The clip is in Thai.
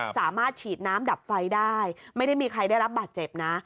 สามารถฉีดน้ำดับไฟได้ไม่ได้มีใครได้รับบาดเจ็บนะ